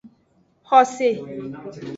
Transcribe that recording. Xose.